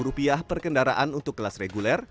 rp enam belas per kendaraan untuk kelas reguler